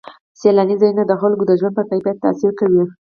سیلاني ځایونه د خلکو د ژوند په کیفیت تاثیر کوي.